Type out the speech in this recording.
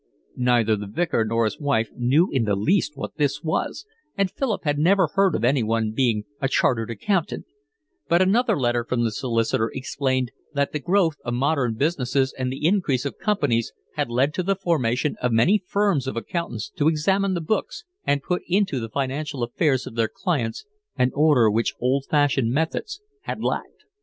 Neither the Vicar nor his wife knew in the least what this was, and Philip had never heard of anyone being a chartered accountant; but another letter from the solicitor explained that the growth of modern businesses and the increase of companies had led to the formation of many firms of accountants to examine the books and put into the financial affairs of their clients an order which old fashioned methods had lacked.